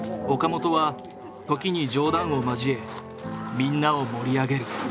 岡本は時に冗談を交えみんなを盛り上げる。